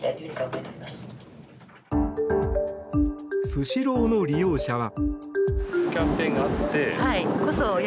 スシローの利用者は。